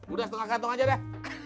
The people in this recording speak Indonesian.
udah setengah kantong aja deh